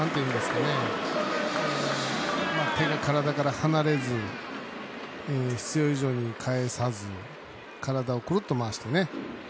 手が体から離れず必要以上に返さず体をくるっと回して。